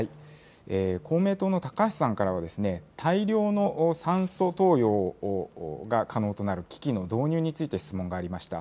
公明党の高橋さんからは、大量の酸素投与が可能となる機器の導入について質問がありました。